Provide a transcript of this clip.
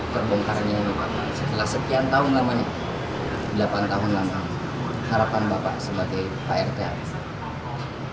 terbongkaran ini pak pak setelah sekian tahun lamanya delapan tahun lamanya harapan bapak sebagai pak rt habis